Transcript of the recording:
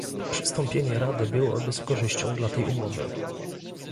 Przystąpienie Rady byłoby z korzyścią dla tej umowy